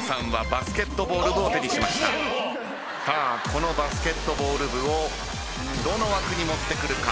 このバスケットボール部をどの枠に持ってくるか？